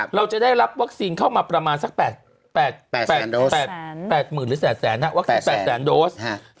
เราจะได้รับวัคซีนเข้ามาประมาณสัก๘แสนโดส